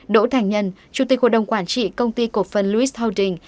đỗ thành nhân chủ tịch hội đồng quản trị công ty cổ phân lewis holdings